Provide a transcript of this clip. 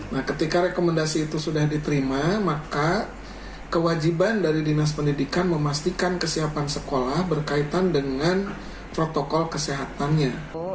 nah ketika rekomendasi itu sudah diterima maka kewajiban dari dinas pendidikan memastikan kesiapan sekolah berkaitan dengan protokol kesehatannya